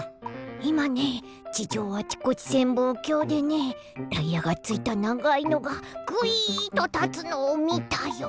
いまね地上あちこち潜望鏡でねタイヤがついたながいのがぐいっとたつのをみたよ！